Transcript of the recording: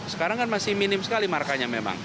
sekarang kan masih minim sekali markanya memang